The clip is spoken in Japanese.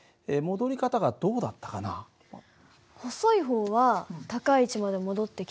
細い方は高い位置まで戻ってきたけど。